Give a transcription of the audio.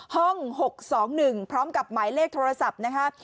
ห้อง๖๒๑พร้อมกับหมายเลขโทรศัพท์นะคะ